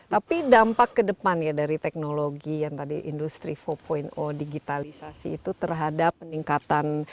tapi dampak ke depan ya dari teknologi yang tadi industri empat digitalisasi itu terhadap peningkatan